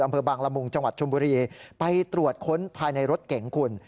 อำเภอบางละมุงจังหวัดชมบุรีไปตรวจค้นภายในรถเก๋งคุณ